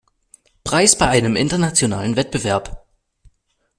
Preis bei einem internationalen Wettbewerb.